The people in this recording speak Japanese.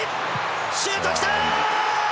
シュート、来た！